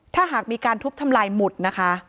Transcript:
ถ้าหากมีการทุบทำลายหมุดนะคะ